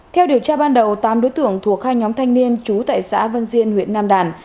theo điều tra ban đầu tám đối tượng thuộc hai nhóm thanh niên trú tại xã vân diên huyện nam đàn